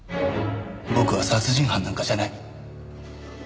僕は殺人犯なんかじゃない。